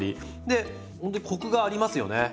でほんとにコクがありますよね。